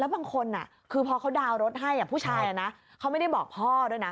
บางคนคือพอเขาดาวน์รถให้ผู้ชายเขาไม่ได้บอกพ่อด้วยนะ